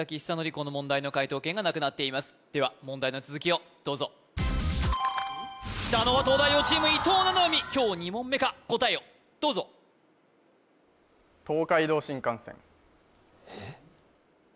この問題の解答権がなくなっていますでは問題の続きをどうぞきたのは東大王チーム伊藤七海今日２問目か答えをどうぞえっ？